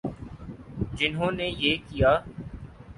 جنہوں نے یہ کیا۔